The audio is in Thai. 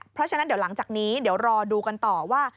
เพราะฉะนั้นเดี๋ยวหลังจากนี้เดี๋ยวรอดูกันต่อว่า